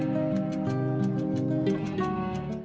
hẹn gặp lại